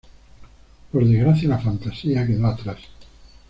Por desgracia la fantasía quedó atrás.